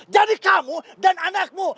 jadi kamu dan anakmu